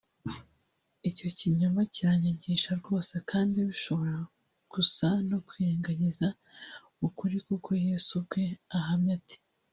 Icyo kinyoma kiranyagisha rwose kandi bishobora gusa no kwirengagiza ukuri kuko Yesu ubwe ahamya ati